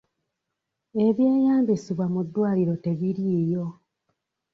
Ebyeyambisibwa mu ddwaliro tebiriiyo.